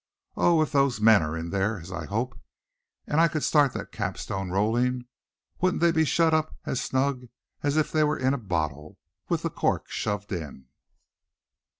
Oh! if those men are in there, as I hope, and I could start that cap stone rolling, wouldn't they be shut up as snug as if they were in a bottle, with the cork shoved in?"